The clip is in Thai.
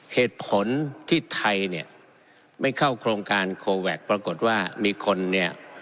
เหตุผลที่ไทยเนี่ยไม่เข้าโครงการโคแวคปรากฏว่ามีคนเนี่ย